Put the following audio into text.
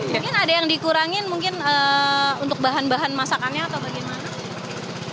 mungkin ada yang dikurangin mungkin untuk bahan bahan masakannya atau bagaimana